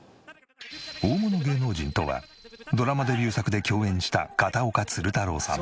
大物芸能人とはドラマデビュー作で共演した片岡鶴太郎さん。